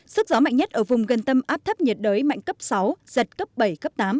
sức gió mạnh nhất ở vùng gần tâm áp thấp nhiệt đới mạnh cấp sáu giật cấp bảy cấp tám